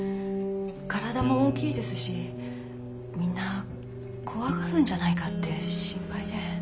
体も大きいですしみんな怖がるんじゃないかって心配で。